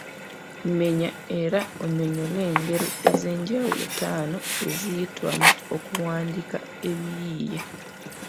Menya era onnyonnyole engeri ez’enjawulo ttaano eziyitwamu okuwandika ebiyiiye.